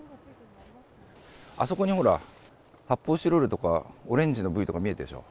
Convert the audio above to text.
あそこにほら、発泡スチロールとか、オレンジのブイとか見えてるでしょ。